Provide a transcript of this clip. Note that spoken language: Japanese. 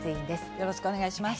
よろしくお願いします。